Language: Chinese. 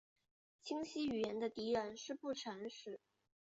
清晰语言的敌人是不诚实。